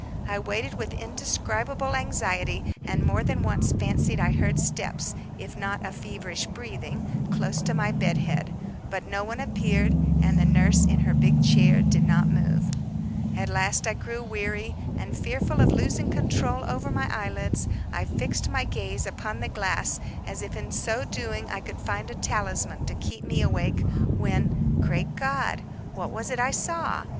I waited with indescribable anxiety, and more than once fancied I heard steps, if not a feverish breathing close to my bed head; but no one appeared, and the nurse in her big chair did not move. At last I grew weary, and fearful of losing control over my eyelids, I fixed my gaze upon the glass, as if in so doing I should find a talisman to keep me awake, when, great God! what was it I saw!